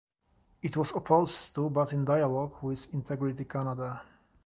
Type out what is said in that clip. It was opposed to, but in dialogue with, Integrity Canada.